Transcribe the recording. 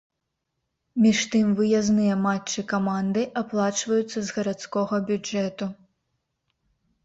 Між тым выязныя матчы каманды аплачваюцца з гарадскога бюджэту.